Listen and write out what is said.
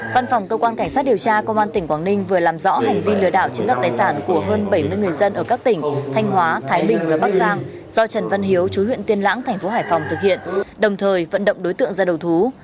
văn phòng cơ quan cảnh sát điều tra công an tỉnh quảng ninh vừa làm rõ hành vi lừa đảo chiếm đoạt tài sản của hơn bảy mươi người dân ở các tỉnh thanh hóa thái bình và bắc giang do trần văn hiếu chú huyện tiên lãng thành phố hải phòng thực hiện đồng thời vận động đối tượng ra đầu thú